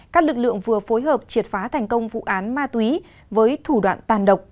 các lực lượng vừa phối hợp triệt phá thành công vụ án ma túy với thủ đoạn tàn độc